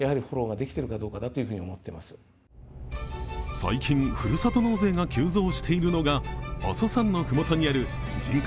最近、ふるさと納税が急増しているのが阿蘇山の麓にある人口